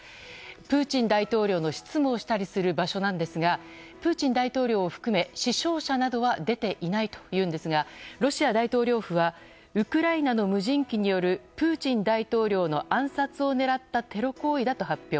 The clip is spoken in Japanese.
プーチン大統領の執務をしたりする場所なんですがプーチン大統領を含め死傷者などは出ていないということですがロシア大統領府はウクライナの無人機によるプーチン大統領の暗殺を狙ったテロ行為だと発表。